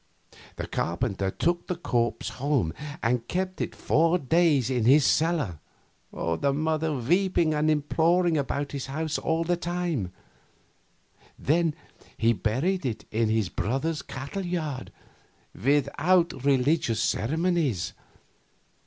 The carpenter took the corpse home and kept it four days in his cellar, the mother weeping and imploring about his house all the time; then he buried it in his brother's cattle yard, without religious ceremonies.